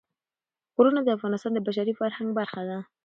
غرونه د افغانستان د بشري فرهنګ برخه ده.